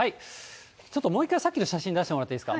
ちょっともう１回、さっきの写真出してもらっていいですか。